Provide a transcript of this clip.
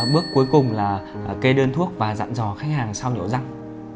bước cuối cùng là kê đơn thuốc và dặn dò khách hàng sau nhổ răng